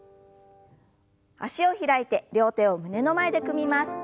脚を開いて両手を胸の前で組みます。